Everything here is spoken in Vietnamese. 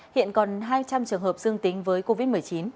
hiện còn hai trăm linh trường hợp dương tính với covid một mươi chín